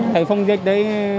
thấy phòng dịch đấy